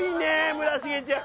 村重ちゃん。